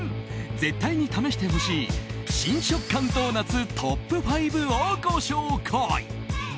絶対に試してほしい新食感ドーナツトップ５をご紹介。